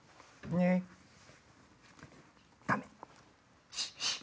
ねっ？